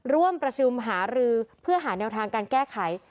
ร่วมประชุมหารือเพื่อหาแนวทางการแก้ไข